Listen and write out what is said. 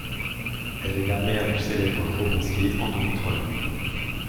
Elle est la mère du célèbre romancier Anthony Trollope.